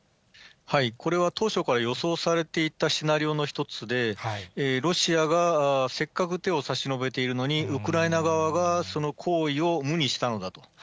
これは当初から予想されていたシナリオの一つで、ロシアがせっかく手を差し伸べているのに、ウクライナ側がその行為を無にしたのだと。